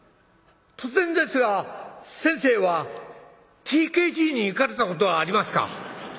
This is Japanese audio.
突然ですが先生はＴＫＧに行かれたことはありますか？」。